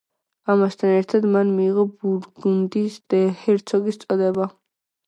ამასთან ერთად, მან მიიღო ბურგუნდიის ჰერცოგის წოდება.